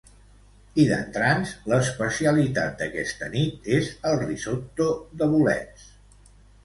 I d'entrants, l'especialitat d'aquesta nit és el risotto de bolets.